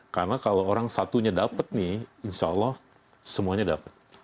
karena kalau orang satunya dapet nih insya allah semuanya dapet